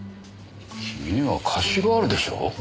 君には貸しがあるでしょう？